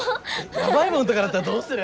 やばいもんとかだったらどうする？